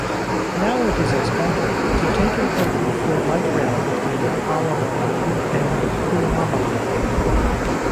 Now it is expected to taken over for Light Rail between Pallavaram and Poonamallee.